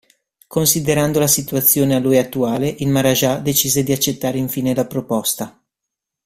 Considerando la situazione a lui attuale, il Maharaja decise di accettare infine la proposta.